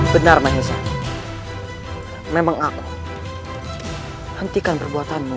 benar mahesa memang aku hentikan perbuatanmu